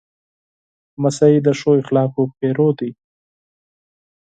لمسی د ښو اخلاقو پیرو وي.